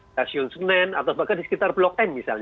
stasiun senen atau bahkan di sekitar blok n